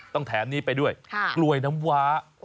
แถมนี้ไปด้วยกล้วยน้ำว้า